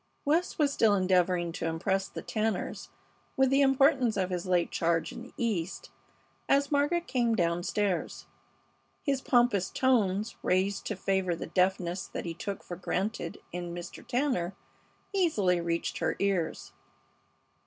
West was still endeavoring to impress the Tanners with the importance of his late charge in the East as Margaret came down stairs. His pompous tones, raised to favor the deafness that he took for granted in Mr. Tanner, easily reached her ears.